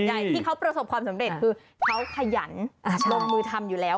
ใหญ่ที่เขาประสบความสำเร็จคือเขาขยันลงมือทำอยู่แล้ว